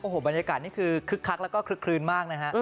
โอ้โหบรรยากาศนี่คือคึกคักแล้วก็คลึกคลืนมากนะฮะ